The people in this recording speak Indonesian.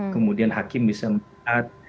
kemudian hakim bisa melihat